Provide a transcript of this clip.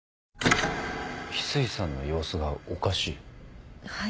翡翠さんの様子がおかしい？